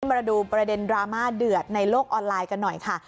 มาดูประเด็นดราม่าเดือดในโลกออนไลน์กันหน่อยค่ะ